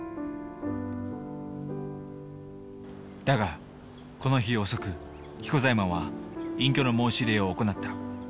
だがこの日遅く彦左衛門は隠居の申し入れを行った。